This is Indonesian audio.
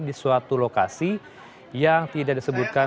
di suatu lokasi yang tidak disebutkan